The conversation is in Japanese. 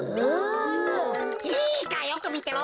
いいかよくみてろ。